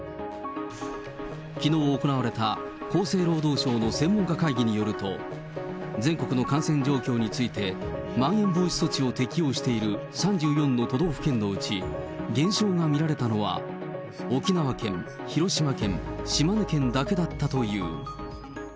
きのう行われた厚生労働省の専門家会議によると、全国の感染状況について、まん延防止措置を適用している３４の都道府県のうち、減少が見られたのは沖縄県、広島県、島根県だけだったという。